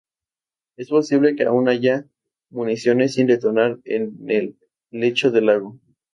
Es posible que aún haya municiones sin detonar en el lecho del lago.